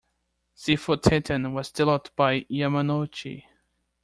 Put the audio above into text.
Cefotetan was developed by Yamanouchi.